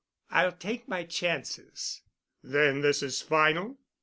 "I'll take my chances." "Then this is final?"